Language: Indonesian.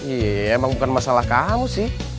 iya emang bukan masalah kamu sih